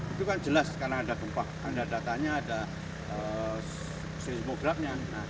itu kan jelas karena ada gempa ada datanya ada seismografnya